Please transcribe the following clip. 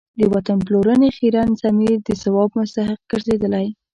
د وطن پلورنې خیرن ضمیر د ثواب مستحق ګرځېدلی.